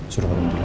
suruh dia ke klas